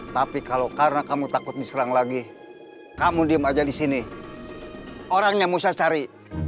tapi kalau karena kamu takut diserang lagi kamu diam aja di sini orangnya musyadzari